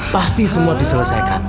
pasti semua diselesaikan